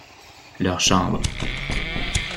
Leurs chambres.